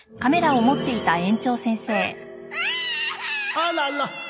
あらら。